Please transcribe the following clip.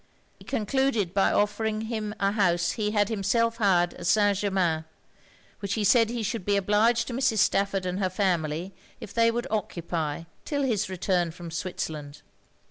He concluded by offering him a house he had himself hired at St. Germains; which he said he should be obliged to Mrs. Stafford and her family if they would occupy 'till his return from Switzerland.